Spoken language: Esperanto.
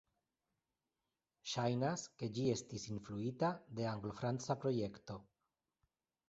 Ŝajnas ke ĝi estis influita de Anglo-franca projekto.